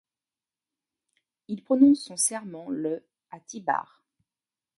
Il prononce son serment le à Thibar.